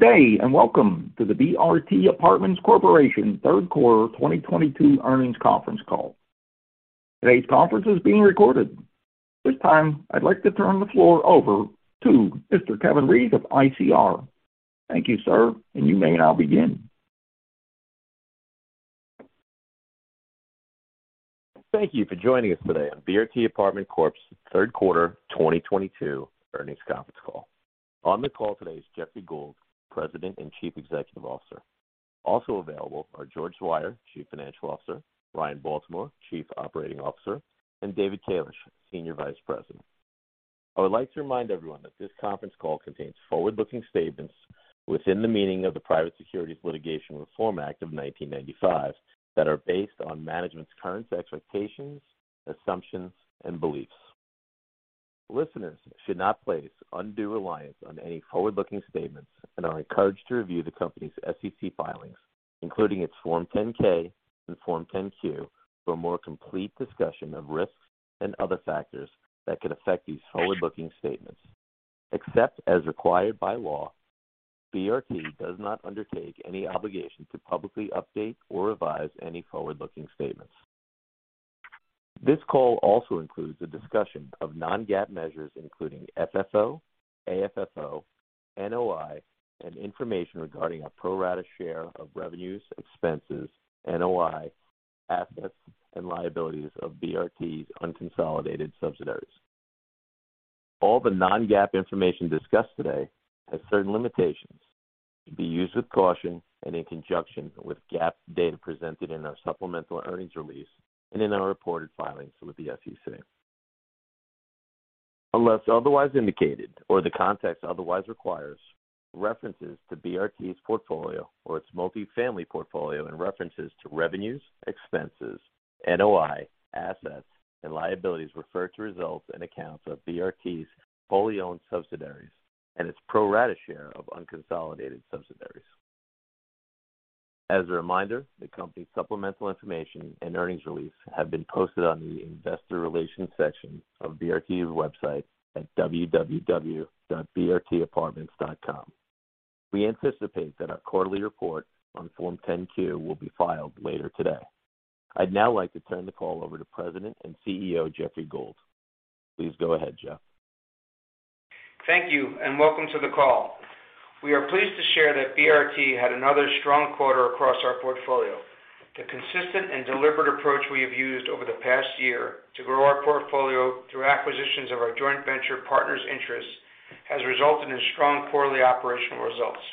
Good day, and welcome to the BRT Apartments Corp. third quarter 2022 earnings conference call. Today's conference is being recorded. This time, I'd like to turn the floor over to Mr. Kevin Reeves of ICR. Thank you, sir, and you may now begin. Thank you for joining us today on BRT Apartments Corp.'s third quarter 2022 earnings conference call. On the call today is Jeffrey Gould, President and Chief Executive Officer. Also available are George Zweier, Chief Financial Officer, Ryan Baltimore, Chief Operating Officer, and David Kalish, Senior Vice President. I would like to remind everyone that this conference call contains forward-looking statements within the meaning of the Private Securities Litigation Reform Act of 1995 that are based on management's current expectations, assumptions, and beliefs. Listeners should not place undue reliance on any forward-looking statements and are encouraged to review the company's SEC filings, including its Form 10-K and Form 10-Q for a more complete discussion of risks and other factors that could affect these forward-looking statements. Except as required by law, BRT does not undertake any obligation to publicly update or revise any forward-looking statements. This call also includes a discussion of non-GAAP measures, including FFO, AFFO, NOI, and information regarding our pro rata share of revenues, expenses, NOI, assets, and liabilities of BRT's unconsolidated subsidiaries. All the non-GAAP information discussed today has certain limitations. It should be used with caution and in conjunction with GAAP data presented in our supplemental earnings release and in our reported filings with the SEC. Unless otherwise indicated or the context otherwise requires, references to BRT's portfolio or its multifamily portfolio in references to revenues, expenses, NOI, assets, and liabilities refer to results and accounts of BRT's wholly owned subsidiaries and its pro rata share of unconsolidated subsidiaries. As a reminder, the company's supplemental information and earnings release have been posted on the investor relations section of BRT's website at www.brtapartments.com. We anticipate that our quarterly report on Form 10-Q will be filed later today. I'd now like to turn the call over to President and CEO, Jeffrey Gould. Please go ahead, Jeff. Thank you, and welcome to the call. We are pleased to share that BRT had another strong quarter across our portfolio. The consistent and deliberate approach we have used over the past year to grow our portfolio through acquisitions of our joint venture partners' interests has resulted in strong quarterly operational results.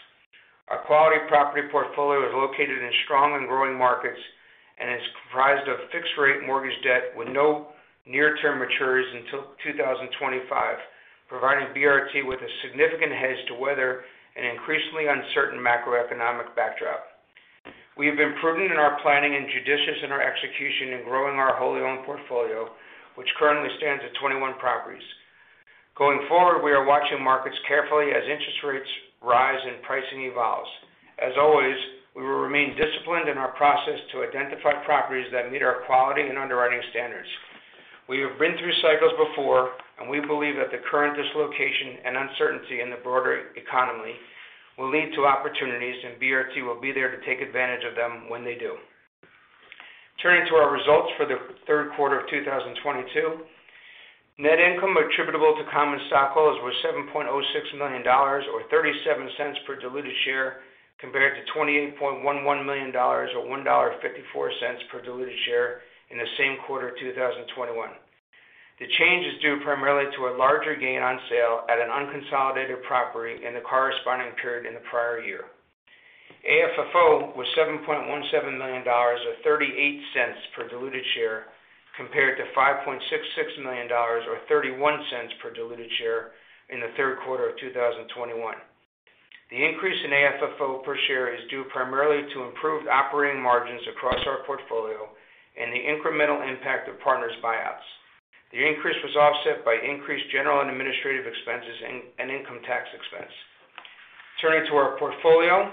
Our quality property portfolio is located in strong and growing markets and is comprised of fixed-rate mortgage debt with no near-term maturities until 2025, providing BRT with a significant hedge to weather an increasingly uncertain macroeconomic backdrop. We have been prudent in our planning and judicious in our execution in growing our wholly owned portfolio, which currently stands at 21 properties. Going forward, we are watching markets carefully as interest rates rise and pricing evolves. As always, we will remain disciplined in our process to identify properties that meet our quality and underwriting standards. We have been through cycles before, and we believe that the current dislocation and uncertainty in the broader economy will lead to opportunities, and BRT will be there to take advantage of them when they do. Turning to our results for the third quarter of 2022, net income attributable to common stockholders was $7.06 million or $0.37 per diluted share, compared to $28.11 million or $1.54 per diluted share in the same quarter of 2021. The change is due primarily to a larger gain on sale at an unconsolidated property in the corresponding period in the prior year. AFFO was $7.17 million or $0.38 per diluted share, compared to $5.66 million or $0.31 per diluted share in the third quarter of 2021. The increase in AFFO per share is due primarily to improved operating margins across our portfolio and the incremental impact of partners' buyouts. The increase was offset by increased general and administrative expenses and income tax expense. Turning to our portfolio,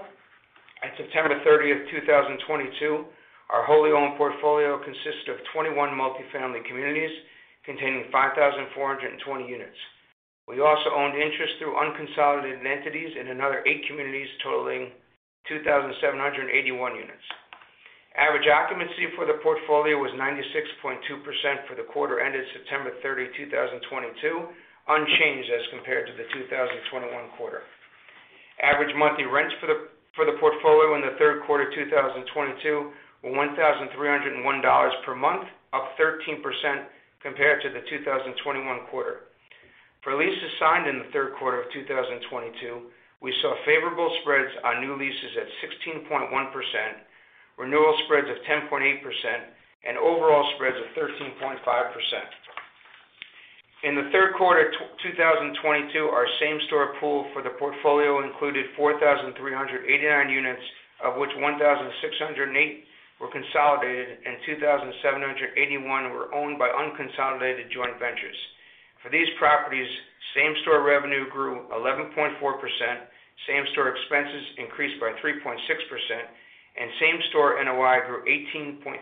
at September 30, 2022, our wholly owned portfolio consists of 21 multifamily communities containing 5,420 units. We also owned interest through unconsolidated entities in another eight communities totaling 2,781 units. Average occupancy for the portfolio was 96.2% for the quarter ended September 30, 2022, unchanged as compared to the 2021 quarter. Average monthly rents for the portfolio in the third quarter of 2022 were $1,301 per month, up 13% compared to the 2021 quarter. For leases signed in the third quarter of 2022, we saw favorable spreads on new leases at 16.1%, renewal spreads of 10.8%, and overall spreads of 13.5%. In the third quarter of 2022, our same-store pool for the portfolio included 4,389 units, of which 1,608 were consolidated and 2,781 were owned by unconsolidated joint ventures. For these properties, same-store revenue grew 11.4%, same-store expenses increased by 3.6%, and same-store NOI grew 18.3%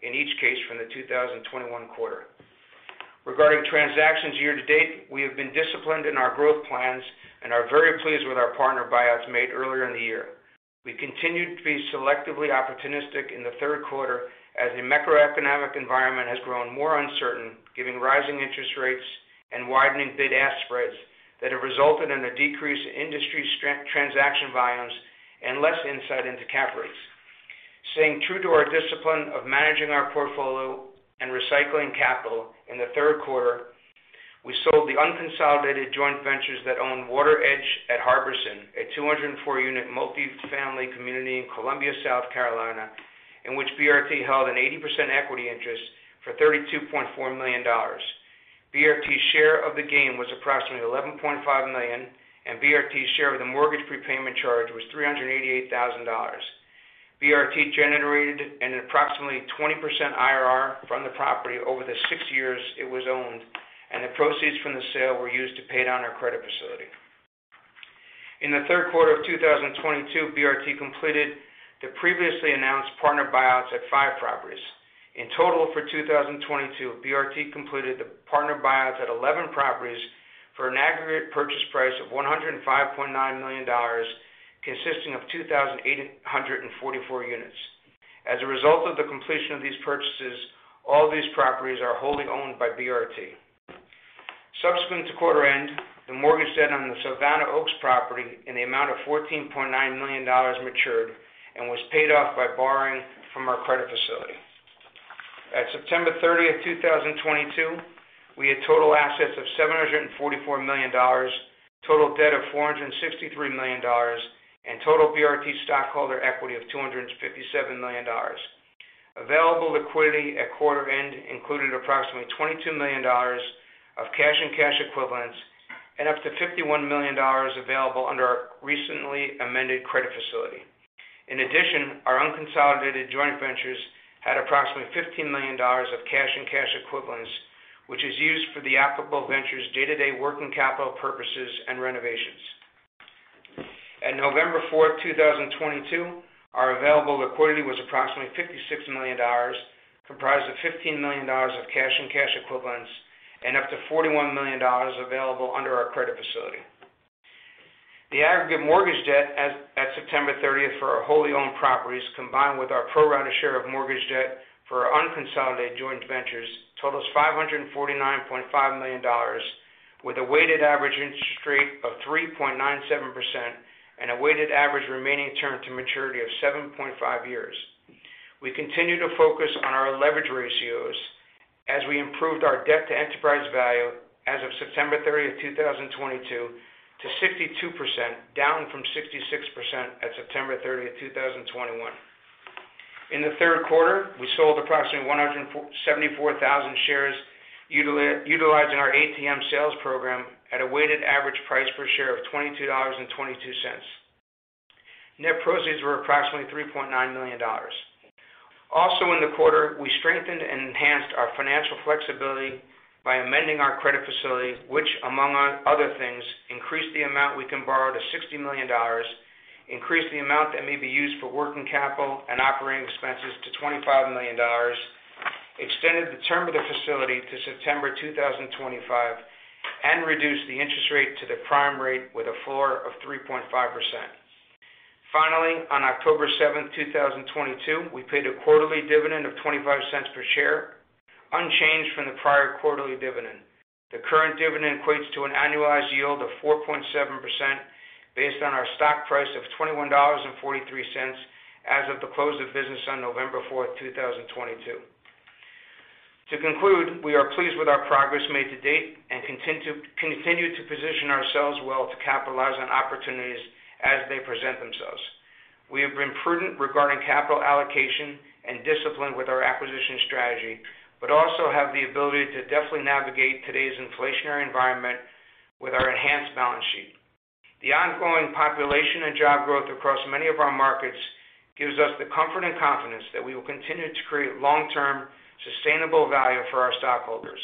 in each case from the 2021 quarter. Regarding transactions year-to-date, we have been disciplined in our growth plans and are very pleased with our partner buyouts made earlier in the year. We continued to be selectively opportunistic in the third quarter as the macroeconomic environment has grown more uncertain, giving rising interest rates and widening bid-ask spreads that have resulted in a decrease in industry transaction volumes and less insight into cap rates. Staying true to our discipline of managing our portfolio and recycling capital, in the third quarter, we sold the unconsolidated joint ventures that own Waters Edge at Harbison, a 204-unit multifamily community in Columbia, South Carolina, in which BRT held an 80% equity interest for $32.4 million. BRT's share of the gain was approximately $11.5 million, and BRT's share of the mortgage prepayment charge was $388 thousand. BRT generated an approximately 20% IRR from the property over the six years it was owned, and the proceeds from the sale were used to pay down our credit facility. In the third quarter of 2022, BRT completed the previously announced partner buyouts at five properties. In total, for 2022, BRT completed the partner buyouts at 11 properties for an aggregate purchase price of $105.9 million, consisting of 2,844 units. As a result of the completion of these purchases, all these properties are wholly owned by BRT. Subsequent to quarter end, the mortgage debt on the Savannah Oaks property in the amount of $14.9 million matured and was paid off by borrowing from our credit facility. At September 30, 2022, we had total assets of $744 million, total debt of $463 million, and total BRT stockholder equity of $257 million. Available liquidity at quarter end included approximately $22 million of cash and cash equivalents and up to $51 million available under our recently amended credit facility. In addition, our unconsolidated joint ventures had approximately $15 million of cash and cash equivalents, which is used for the applicable ventures' day-to-day working capital purposes and renovations. At November 4, 2022, our available liquidity was approximately $56 million, comprised of $15 million of cash and cash equivalents and up to $41 million available under our credit facility. The aggregate mortgage debt at September 30 for our wholly owned properties, combined with our pro-rata share of mortgage debt for our unconsolidated joint ventures, totals $549.5 million, with a weighted average interest rate of 3.97% and a weighted average remaining term to maturity of 7.5 years. We continue to focus on our leverage ratios as we improved our debt-to-enterprise value as of September 30, 2022, to 62%, down from 66% at September 30, 2021. In the third quarter, we sold approximately 74,000 shares utilizing our ATM sales program at a weighted average price per share of $22.22. Net proceeds were approximately $3.9 million. Also in the quarter, we strengthened and enhanced our financial flexibility by amending our credit facility, which among other things, increased the amount we can borrow to $60 million, increased the amount that may be used for working capital and operating expenses to $25 million, extended the term of the facility to September 2025, and reduced the interest rate to the prime rate with a floor of 3.5%. Finally, on October seventh, 2022, we paid a quarterly dividend of $0.25 per share, unchanged from the prior quarterly dividend. The current dividend equates to an annualized yield of 4.7% based on our stock price of $21.43 as of the close of business on November fourth, 2022. To conclude, we are pleased with our progress made to date and continue to position ourselves well to capitalize on opportunities as they present themselves. We have been prudent regarding capital allocation and discipline with our acquisition strategy, but also have the ability to deftly navigate today's inflationary environment with our enhanced balance sheet. The ongoing population and job growth across many of our markets gives us the comfort and confidence that we will continue to create long-term, sustainable value for our stockholders.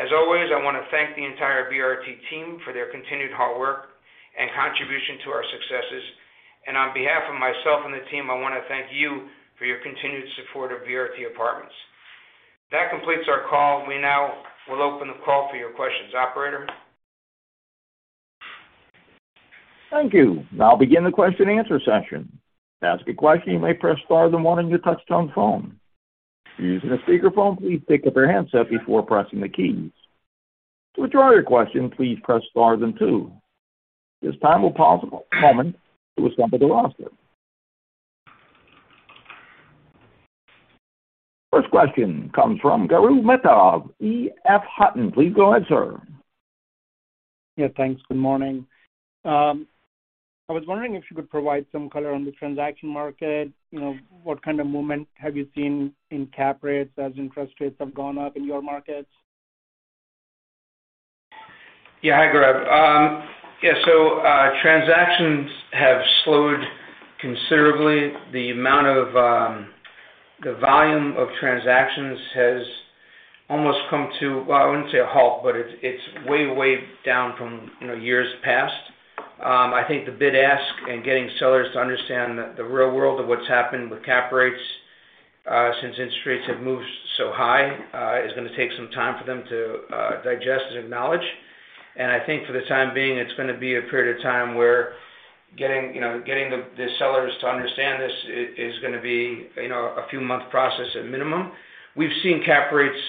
As always, I wanna thank the entire BRT team for their continued hard work and contribution to our successes. On behalf of myself and the team, I wanna thank you for your continued support of BRT Apartments. That completes our call. We now will open the call for your questions. Operator? Thank you. Now I'll begin the question and answer session. To ask a question, you may press star then one on your touchtone phone. If you're using a speakerphone, please pick up your handset before pressing the keys. To withdraw your question, please press star then two. At this time we will pause a moment to assemble the roster. First question comes from Gaurav Mehta of EF Hutton. Please go ahead, sir. Yeah, thanks. Good morning. I was wondering if you could provide some color on the transaction market. You know, what kind of movement have you seen in cap rates as interest rates have gone up in your markets? Yeah. Hi, Gaurav. Transactions have slowed considerably. The amount of the volume of transactions has almost come to, well, I wouldn't say a halt, but it's way down from, you know, years past. I think the bid-ask spreads and getting sellers to understand that the real world of what's happened with cap rates, since interest rates have moved so high, is gonna take some time for them to digest and acknowledge. I think for the time being, it's gonna be a period of time where getting, you know, getting the sellers to understand this is gonna be, you know, a few months process at minimum. We've seen cap rates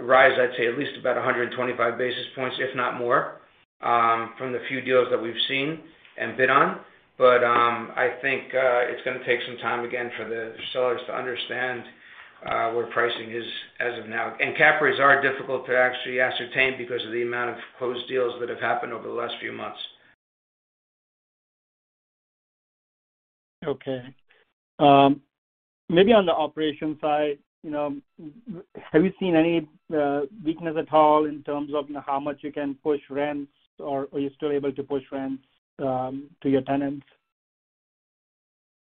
rise, I'd say at least about 125 basis points, if not more, from the few deals that we've seen and bid on. I think it's gonna take some time again for the sellers to understand where pricing is as of now. Cap rates are difficult to actually ascertain because of the amount of closed deals that have happened over the last few months. Okay. Maybe on the operations side, you know, have you seen any weakness at all in terms of how much you can push rents, or are you still able to push rents to your tenants?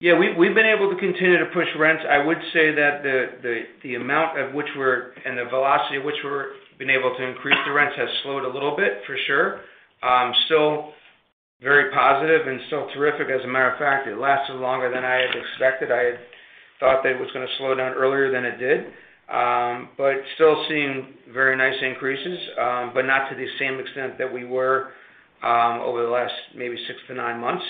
Yeah, we've been able to continue to push rents. I would say that the velocity at which we've been able to increase the rents has slowed a little bit, for sure. Still very positive and still terrific. As a matter of fact, it lasted longer than I had expected. I had thought that it was gonna slow down earlier than it did. But still seeing very nice increases, but not to the same extent that we were, over the last maybe 6-9 months.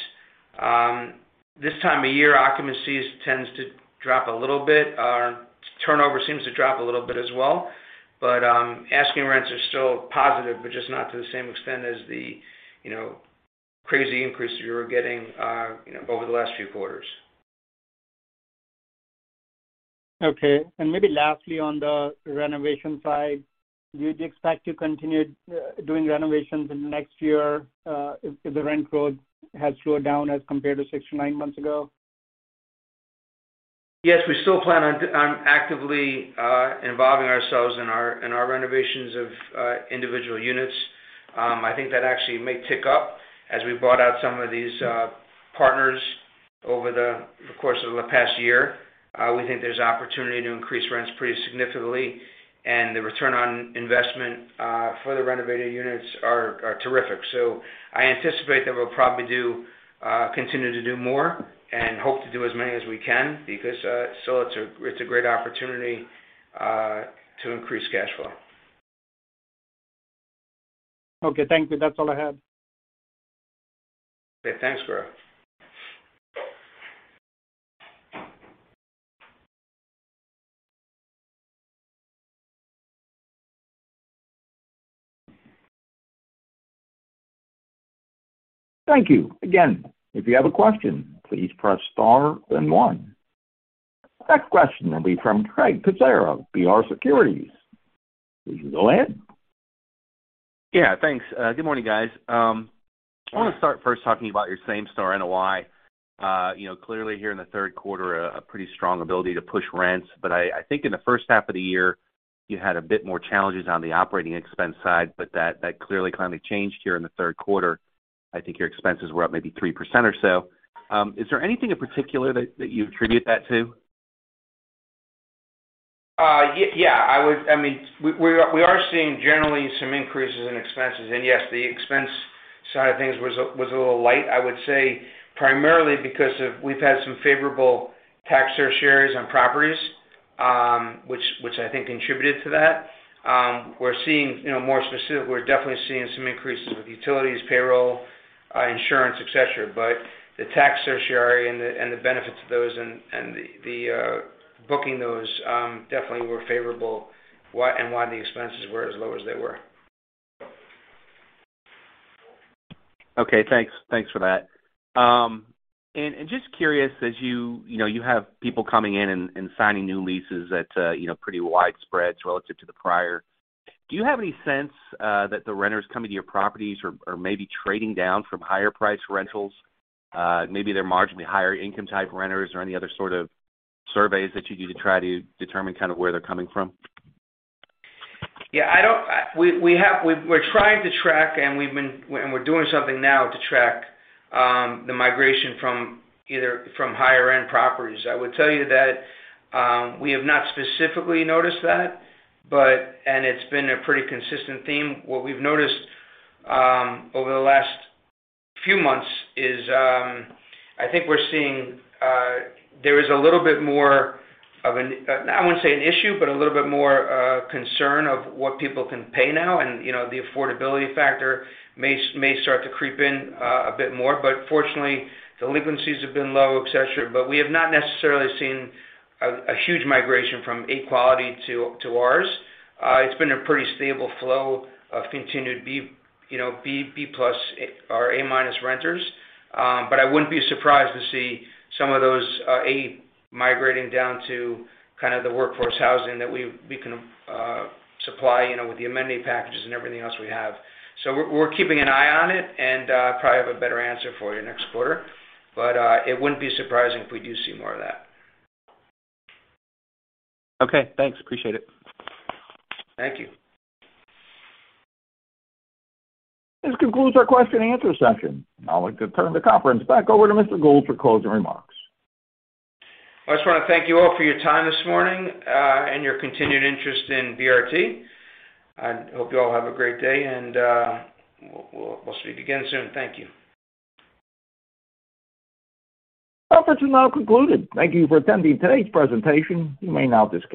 This time of year, occupancies tends to drop a little bit. Our turnover seems to drop a little bit as well, but asking rents are still positive, but just not to the same extent as the, you know, crazy increase we were getting, you know, over the last few quarters. Okay. Maybe lastly, on the renovation side, do you expect to continue doing renovations in the next year, if the rent growth has slowed down as compared to 6-9 months ago? Yes, we still plan on actively involving ourselves in our renovations of individual units. I think that actually may tick up as we bought out some of these partners over the course of the past year. We think there's opportunity to increase rents pretty significantly and the return on investment for the renovated units are terrific. I anticipate that we'll probably continue to do more and hope to do as many as we can because it's a great opportunity to increase cash flow. Okay, thank you. That's all I had. Okay, thanks, Guru. Thank you. Again, if you have a question, please press star then one. Next question will be from Craig Kucera, B. Riley Securities. Please go ahead. Yeah, thanks. Good morning, guys. I wanna start first talking about your same-store NOI. You know, clearly here in the third quarter, a pretty strong ability to push rents, but I think in the first half of the year, you had a bit more challenges on the operating expense side, but that clearly kind of changed here in the third quarter. I think your expenses were up maybe 3% or so. Is there anything in particular that you attribute that to? Yeah, I mean, we are seeing generally some increases in expenses. Yes, the expense side of things was a little light, I would say, primarily because we've had some favorable tax abatements on properties, which I think contributed to that. We're seeing, you know. We're definitely seeing some increases with utilities, payroll, insurance, et cetera. The tax abatements and the benefits of those and the booking those definitely were favorable, and why the expenses were as low as they were. Okay, thanks. Thanks for that. Just curious, as you know, you have people coming in and signing new leases at, you know, pretty wide spreads relative to the prior. Do you have any sense that the renters coming to your properties are maybe trading down from higher priced rentals? Maybe they're marginally higher income type renters or any other sort of surveys that you do to try to determine kind of where they're coming from. Yeah. We have. We're trying to track, and we're doing something now to track the migration from higher end properties. I would tell you that we have not specifically noticed that, and it's been a pretty consistent theme. What we've noticed over the last few months is I think we're seeing there is a little bit more of an I wouldn't say an issue, but a little bit more concern of what people can pay now. You know, the affordability factor may start to creep in a bit more, but fortunately, delinquencies have been low, et cetera. We have not necessarily seen a huge migration from A quality to ours. It's been a pretty stable flow of continued B plus or A-minus renters, you know. I wouldn't be surprised to see some of those A migrating down to kind of the workforce housing that we can supply, you know, with the amenity packages and everything else we have. We're keeping an eye on it, and probably have a better answer for you next quarter. It wouldn't be surprising if we do see more of that. Okay, thanks. Appreciate it. Thank you. This concludes our question and answer session. I'd like to turn the conference back over to Mr. Gould for closing remarks. I just wanna thank you all for your time this morning, and your continued interest in BRT. I hope you all have a great day, and we'll speak again soon. Thank you. Conference is now concluded. Thank you for attending today's presentation. You may now disconnect.